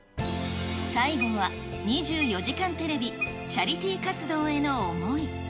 最後は２４時間テレビ、チャリティー活動への思い。